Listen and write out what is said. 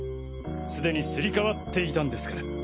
既にすり替わっていたんですから。